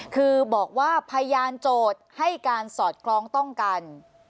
คือบอกว่าพยานโจทย์ให้การสอดคล้องต้องกัน